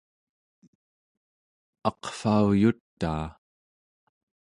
aqvauyutaa